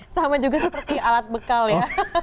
sama juga seperti alat bekal ya